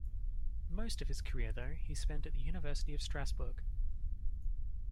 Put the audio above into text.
Most of his career, though, he spent at the University of Strasbourg.